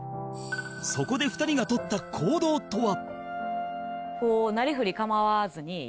そこで２人がとった行動とは